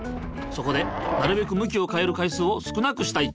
そこでなるべく向きを変える回数を少なくしたい。